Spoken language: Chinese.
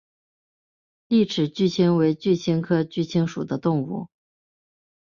栗齿鼩鼱为鼩鼱科鼩鼱属的动物。